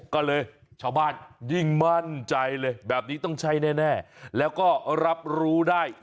ก็เลยชาวบ้านยิ่งมั่นใจเลยแบบนี้ต้องใช่แน่แล้วก็รับรู้ได้